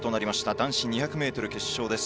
男子２００ｍ決勝です。